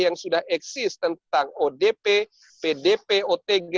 yang sudah eksis tentang odp pdp otg